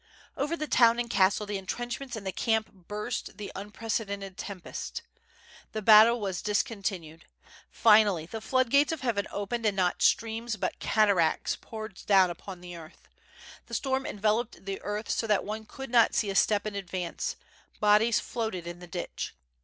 Over the town and castle, the intrenchments and the camp burst the unprecedented tempest. The battle was discon tinued. Finally the floodgates of heaven opened and not streams, but cataracts, poured down upon the earth. The storm enveloped the earth so that one could not see a step in advance; bodies floated in the ditch.